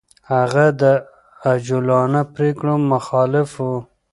هغه د عجولانه پرېکړو مخالف و.